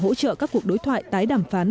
hỗ trợ các cuộc đối thoại tái đàm phán